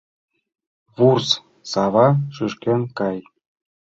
Вурс сава, шӱшкен кай